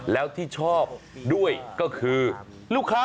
แล้วที่ชอบด้วยก็คือลูกค้า